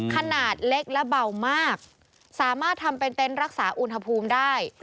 ขนาดเล็กและเบามากสามารถทำเป็นเต็นต์รักษาอุณหภูมิได้